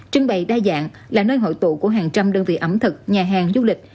trưng bày đa dạng là nơi hội tụ của hàng trăm đơn vị ẩm thực nhà hàng du lịch